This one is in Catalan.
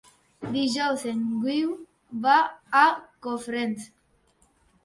Dijous en Guiu va a Cofrents.